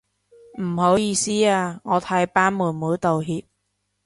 唔好意思啊，我替班妹妹道歉